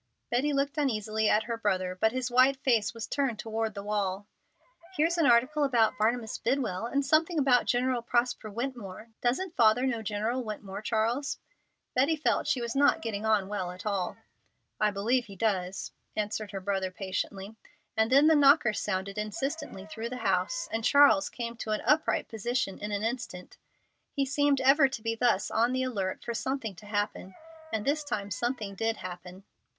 Betty looked uneasily at her brother, but his white face was turned toward the wall. "Here's an article about Barnabas Bidwell, and something about General Prosper Wetmore. Doesn't father know General Wetmore, Charles?" Betty felt she was not getting on well at all. "I believe he does," answered her brother patiently, and then the knocker sounded insistently through the house, and Charles came to an upright position in an instant. He seemed ever to be thus on the alert for something to happen. And this time something did happen.